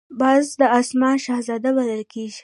باز د آسمان شهزاده بلل کېږي